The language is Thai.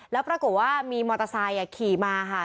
แล้วปรากฏว่ามีมอเตอร์ไซค์ขี่มาค่ะ